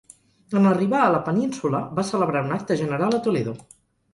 En arribar a la península, va celebrar un acte general a Toledo.